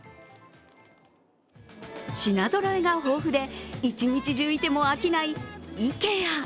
品ぞろえが豊富で一日中いても飽きないＩＫＥＡ。